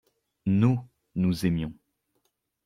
Nous, nous aimions.